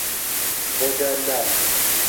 مجلل